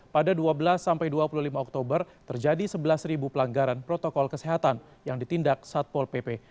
pada dua belas sampai dua puluh lima oktober terjadi sebelas pelanggaran protokol kesehatan yang ditindak satpol pp